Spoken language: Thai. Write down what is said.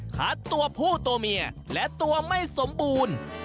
ตัวผู้ตัวเมียและตัวไม่สมบูรณ์